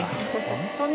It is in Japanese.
本当に。